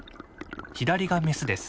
左がメスです。